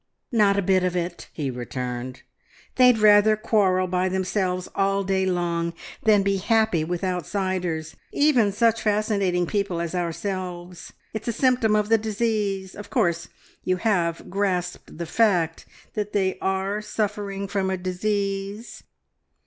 "Not a bit of it," he returned. "They'd rather quarrel by themselves all day long than be happy with outsiders, even such fascinating people as ourselves. It's a symptom of the disease. Of course, you have grasped the fact that they are suffering from a disease?"